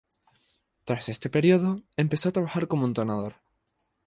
Tras este periodo, empezó a trabajar como entrenador.